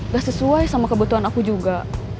gak sesuai sama kebutuhan aku juga